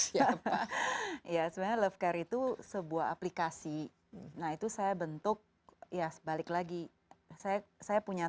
siapa ya sebenarnya love care itu sebuah aplikasi nah itu saya bentuk ya balik lagi saya saya punya